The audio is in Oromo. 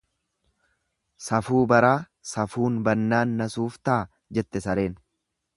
"""Safuu baraa, safuun bannaan na suuftaa"" jette sareen."